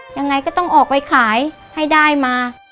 ยังไงก็ต้องออกไปขายให้ได้มา